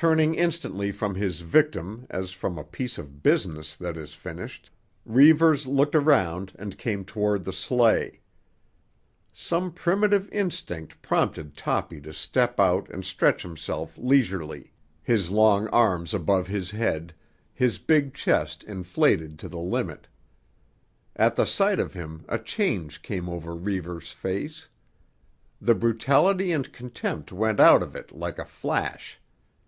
Turning instantly from his victim as from a piece of business that is finished, Reivers looked around and came toward the sleigh. Some primitive instinct prompted Toppy to step out and stretch himself leisurely, his long arms above his head, his big chest inflated to the limit. At the sight of him a change came over Reivers' face. The brutality and contempt went out of it like a flash.